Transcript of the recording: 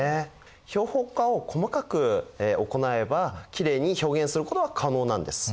標本化を細かく行えばきれいに表現することは可能なんです。